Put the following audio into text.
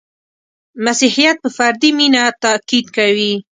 • مسیحیت په فردي مینه تأکید کوي.